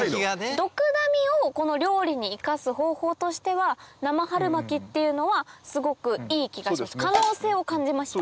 ドクダミを料理に生かす方法としては生春巻きっていうのはすごくいい気がします可能性を感じました。